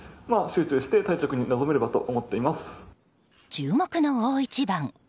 注目の大一番。